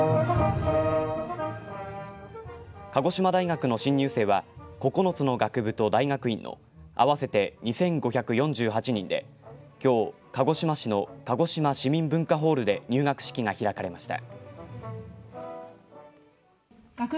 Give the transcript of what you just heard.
鹿児島大学の新入生は９つの学部と大学院の合わせて２５４８人できょう鹿児島市の鹿児島市民文化ホールで入学式が開かれました。